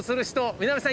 南田さん